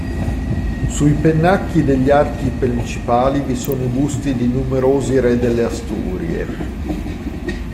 Sui pennacchi degli archi principali vi sono i busti di numerosi re delle Asturie.